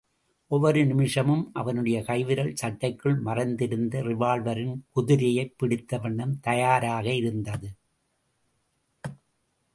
ஒவ்வொரு நிமிஷமும் அவனுடைய கைவிரல் சட்டைக்குள் மறைத்திருந்த ரிவால்வரின் குதிரையைப் பிடித்த வண்ணம் தயாராக இருந்தது.